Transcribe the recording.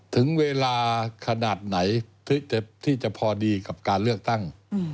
ถึงเวลาขนาดไหนที่จะพอดีกับการเลือกตั้ง